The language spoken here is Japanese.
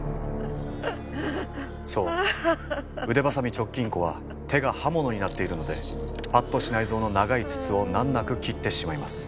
そう腕鋏直近子は手が刃物になっているので八渡支内造の長い筒を難なく切ってしまいます。